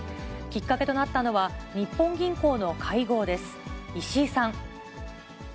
きっかけとなったのは、日本銀行の会合です。